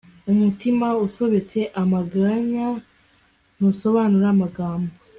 umutima usobetse amaganya ntusobanura amagambo